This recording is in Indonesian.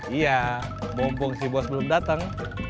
iya mumpung si bos belum datang